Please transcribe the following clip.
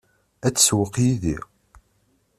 Ad tsewweq yid-i?